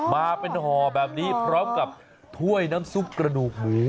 มาเป็นห่อแบบนี้พร้อมกับถ้วยน้ำซุปกระดูกหมู